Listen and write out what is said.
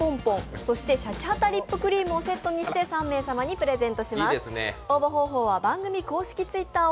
そしてシャチハタリップクリ−ムをセットにして３名様にプレゼントします。